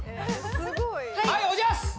はいおじゃす！